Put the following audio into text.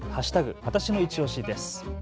わたしのいちオシです。